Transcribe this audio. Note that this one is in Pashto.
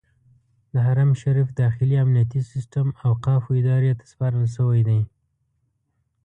د حرم شریف داخلي امنیتي سیستم اوقافو ادارې ته سپارل شوی دی.